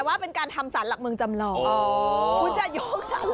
แห่ศาลหลักเมืองมาเลยคุณ